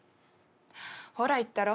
ほら言ったろ。